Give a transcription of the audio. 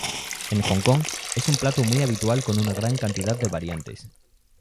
En Hong Kong es un plato muy habitual con una gran cantidad de variantes.